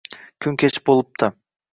Kun kech bo‘libdi